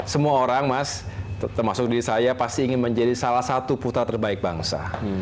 semua orang mas termasuk diri saya pasti ingin menjadi salah satu putra terbaik bangsa